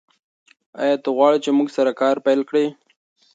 ایا ته غواړې چې موږ سره کار پیل کړې؟